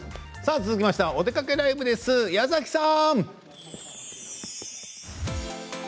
続きまして「おでかけＬＩＶＥ」です矢崎さん。